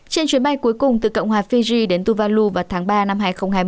trên chuyến bay cuối cùng từ cộng hòa fiji đến tù văn lưu vào tháng ba năm hai nghìn hai mươi